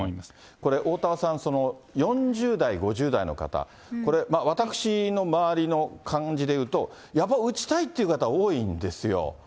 これ、おおたわさん、４０代、５０代の方、これ、私の周りの感じでいうと、やっぱ打ちたいという方、多いんですよ。